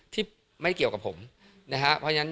ที่ไม่เกี่ยวกับผมนะฮะเพราะฉะนั้น